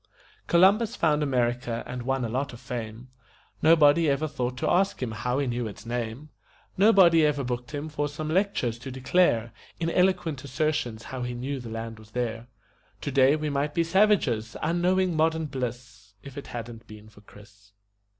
Columbus found America and won a lot of fame Nobody ever thought to ask him how he knew its name; Nobody ever booked him for some lectures to declare In eloquent assertions how he knew the land was there. Today we might be savages, unknowing modern bliss, If it hadn't been for Chris.